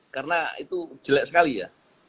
karena itu jelek sekali ya